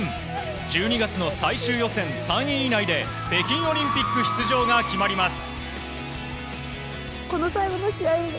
１２月の最終予選３位以内で北京オリンピック出場が決まります。